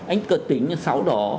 anh cực tính sau đó